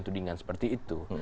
tudingan seperti itu